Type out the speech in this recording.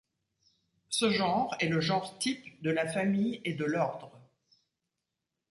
Ce genre est le genre-type de la famille et de l'ordre.